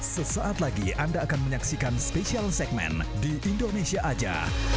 sesaat lagi anda akan menyaksikan spesial segmen di indonesia aja